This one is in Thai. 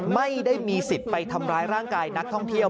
ไม่ได้มีสิทธิ์ไปทำร้ายร่างกายนักท่องเที่ยว